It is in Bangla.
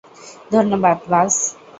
ধন্যবাদ, বাস।